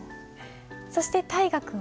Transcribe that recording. そして大河君は？